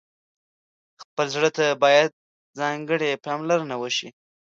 خپل زړه ته باید ځانګړې پاملرنه وشي.